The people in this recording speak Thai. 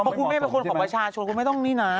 เพราะคุณแม่เป็นคนของประชาชนคุณแม่ต้องนี่นะ